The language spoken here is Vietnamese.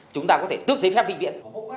chúng ta có thể tước giấy phép viện viện